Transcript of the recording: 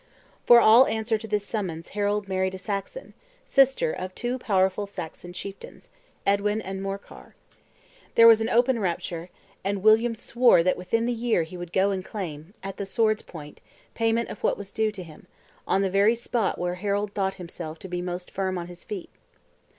For all answer to this summons Harold married a Saxon, sister of two powerful Saxon chieftains; Edwin and Morkar. There was an open rupture; and William swore that "within the year he would go and claim, at the sword's point, payment of what was due to him, on the very spot where Harold thought himself to be most firm on his feet."